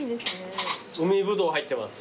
海ぶどう入ってます。